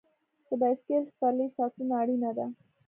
د بایسکل سپرلۍ ساتنه اړینه ده.